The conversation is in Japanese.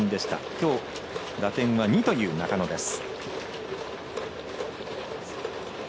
きょう、打点は２という中野です。